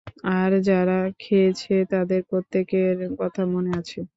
আর যারা যারা খেয়েছে তাদের প্রত্যেকের কথা, মনে আছে।